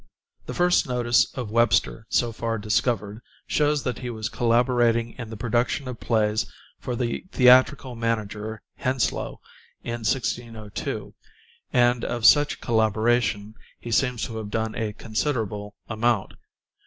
The first notice of Webster so far discovered shows that he was collaborating in the production of plays for the theatrical manager, Henslowe, in 1602, and of such collaboration he seems to have done a considerable amount.